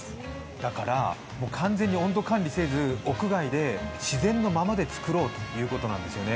だから、完全に温度管理せず屋外で自然のままで作ろうということなんですよね。